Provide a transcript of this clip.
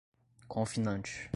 confinante